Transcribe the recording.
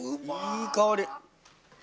いい香り！